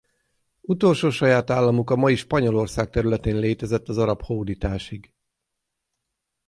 Utolsó saját államuk a mai Spanyolország területén létezett az arab hódításig.